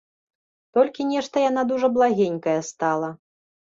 Толькі нешта яна дужа благенькая стала.